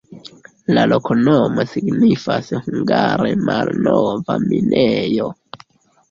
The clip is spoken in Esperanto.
La loknomo signifas hungare: malnova minejo.